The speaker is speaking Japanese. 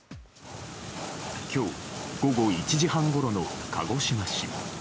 今日午後１時半ごろの鹿児島市。